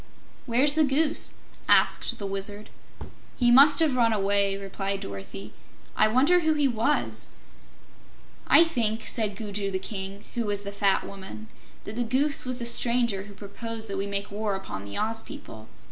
"Where's the Goose?" asked the Wizard. "He must have run away," replied Dorothy. "I wonder who he was?" "I think," said Gugu the King, who was the fat Woman, "that the Goose was the stranger who proposed that we make war upon the Oz people.